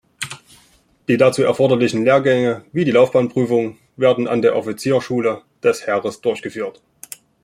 Die dazu erforderlichen Lehrgänge, wie die Laufbahnprüfung, werden an der Offizierschule des Heeres durchgeführt.